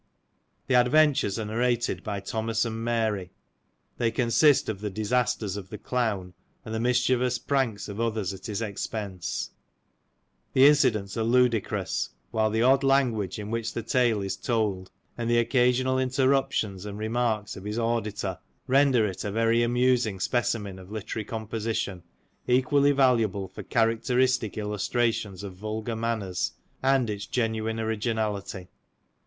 The adventures are narrated by Thomas and Mary. They consist of the disasters of the clown, and the mischievous pranks of others at his expense; the incidents are ludicrous, while the odd language in which the tale is told, and the occasional interruptions, and remarks of his auditor, render it a very amusing speci men of literary composition, equally valuable for characteristic illustrations of vulgar manners, and its genuine originality.